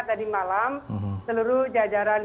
tadi malam seluruh jajaran